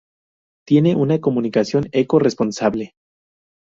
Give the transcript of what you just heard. Tiene una comunicación eco-responsable.